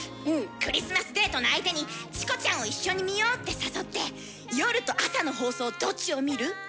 クリスマスデートの相手に「チコちゃんを一緒に見よう」って誘って「夜と朝の放送どっちを見る？」と聞いて下さい。